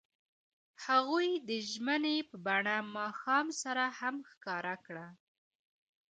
هغوی د ژمنې په بڼه ماښام سره ښکاره هم کړه.